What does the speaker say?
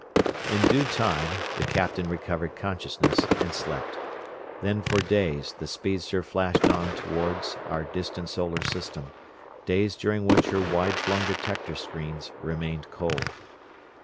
In due time the captain recovered consciousness, and slept. Then for days the speedster flashed on toward our distant solar system; days during which her wide flung detector screens remained cold.